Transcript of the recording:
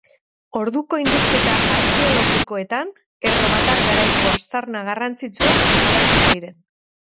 Orduko indusketa arkeologikoetan erromatar garaiko aztarna garrantzitsuak agertu ziren.